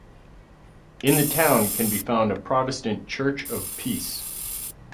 In the town can be found a Protestant Church of Peace.